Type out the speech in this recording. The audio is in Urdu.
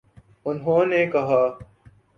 انہوں نے کہا